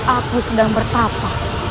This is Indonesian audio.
aku sedang bertapa